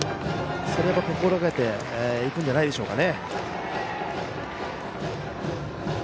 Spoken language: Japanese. それを心がけていくんじゃないでしょうか。